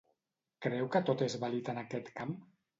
Creu que tot és vàlid en aquest camp?